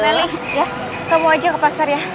meli ya kamu aja ke pasar ya